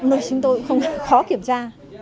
trộm được chúng tôi không khó kiểm tra